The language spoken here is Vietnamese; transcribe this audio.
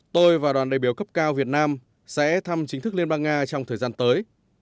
tôi và đoàn đại biểu cấp cao việt nam sẽ thăm chính thức liên bang nga trong thời gian tới